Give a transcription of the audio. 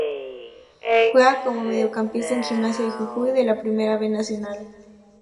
Juega como mediocampista en Gimnasia de Jujuy de la Primera B Nacional.